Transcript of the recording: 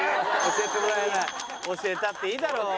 教えたっていいだろ。